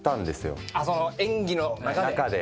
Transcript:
その演技の中で。